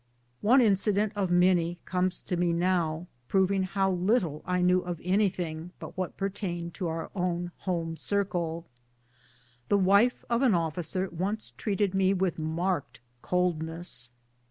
One inci dent of many comes to me now, proving how little I knew of anything but what pertained to our own home cir cle. The wife of an officer once treated me with marked coldness.